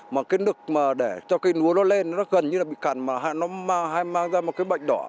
mà cái nước mà để cho cái núa nó lên nó gần như là bị cằn mà nó hay mang ra một cái bệnh đỏ